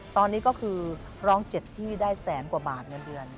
ตอนนี้ก็คือร้อง๗ที่ได้แสนกว่าบาทเงินเดือน